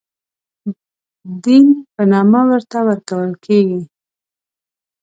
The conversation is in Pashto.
دین په نامه ورته ورکول کېږي.